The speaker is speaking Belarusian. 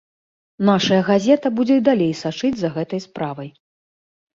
Нашая газета будзе і далей сачыць за гэтай справай.